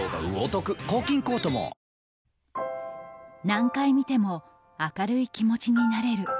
何回見ても明るい気持ちになれる。